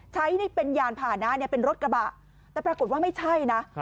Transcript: ใช้เป็นยานผ่านะเป็นรถกระบะแต่ปรากฏว่าไม่ใช่นะ